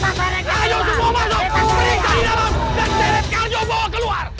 dan tarik kaljo bawa keluar